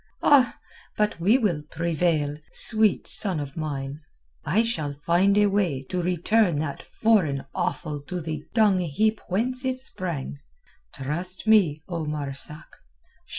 Ah! but we will prevail, sweet son of mine. I shall find a way to return that foreign offal to the dung heap whence it sprang. Trust me, O Marzak!